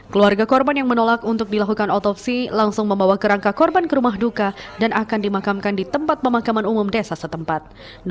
keluarga korban yang menolak untuk dilakukan otopsi langsung membawa kerangka korban ke rumah duka dan akan dimakamkan di tempat pemakaman umum desa setempat